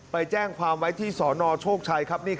ไปแจ้งความไว้ที่สนโชคชัยครับ